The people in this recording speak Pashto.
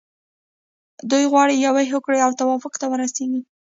دوی غواړي یوې هوکړې او توافق ته ورسیږي.